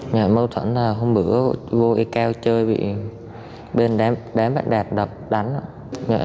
nhà mâu thuẫn là hôm bữa vô cây cao chơi bị bên đám bạn đạt đập đánh